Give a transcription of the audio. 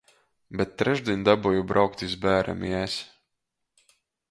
Bet trešdiņ daboju braukt iz bērem i es.